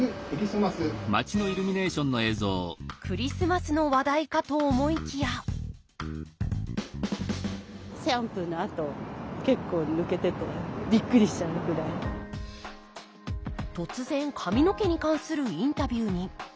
クリスマスの話題かと思いきや突然髪の毛に関するインタビューに。